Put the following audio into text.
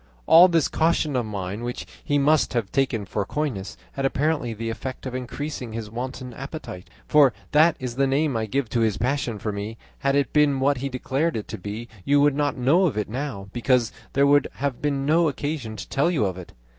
"All this caution of mine, which he must have taken for coyness, had apparently the effect of increasing his wanton appetite for that is the name I give to his passion for me; had it been what he declared it to be, you would not know of it now, because there would have been no occasion to tell you of it.